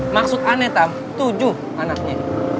maksud ane tam tujuh anaknya